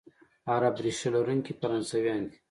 عرب ریشه لرونکي فرانسویان دي،